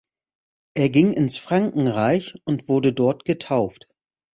Er ging ins Frankenreich und wurde dort getauft.